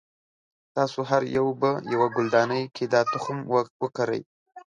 تاسې هر یو به یوه ګلدانۍ کې دا تخم وکری.